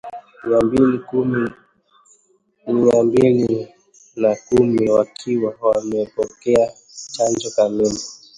mia mbili na kumi wakiwa wamepokea chanjo kamili